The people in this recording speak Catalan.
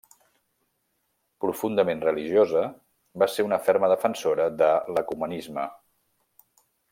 Profundament religiosa, va ser una ferma defensora de l'ecumenisme.